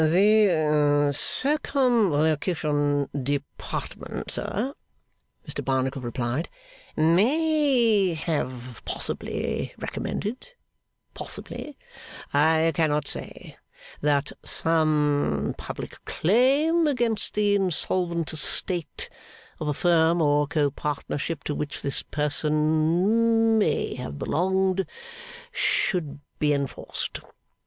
'The Circumlocution Department, sir,' Mr Barnacle replied, 'may have possibly recommended possibly I cannot say that some public claim against the insolvent estate of a firm or copartnership to which this person may have belonged, should be enforced.